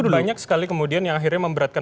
banyak sekali kemudian yang akhirnya memberatkan